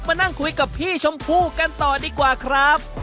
มานั่งคุยกับพี่ชมพู่กันต่อดีกว่าครับ